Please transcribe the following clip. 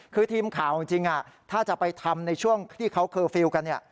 คือทีมข่าวจริงถ้าจะไปทำในช่วงที่เขาเคอร์ฟิลล์กัน